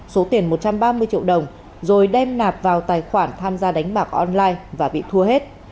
số tiền một trăm ba mươi triệu đồng rồi đem nạp vào tài khoản tham gia đánh bạc online và bị thua hết